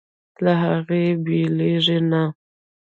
له هغې بېلېږي نه.